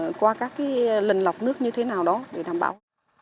thì qua các lần lọc nước như thế nào đó để đảm bảo